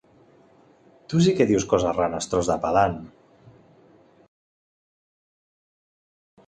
Tu sí que dius coses rares, tros de pedant!